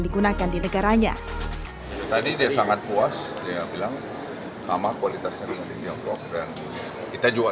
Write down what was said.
digunakan di negaranya tadi dia sangat puas dia bilang sama kualitasnya dengan kita juga